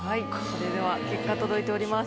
それでは結果届いております。